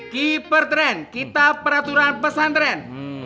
keeper tren kita peraturan pesantren